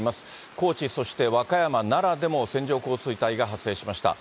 高知、そして和歌山、奈良でも線状降水帯が発生しました。